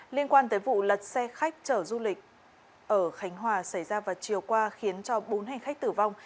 liên quan tới vụ lật xe khách chở du lịch ở khánh hòa xảy ra vào chiều qua khiến cho bốn hành khách tử vong